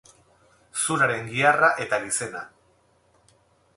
Zuraren giharra eta gizena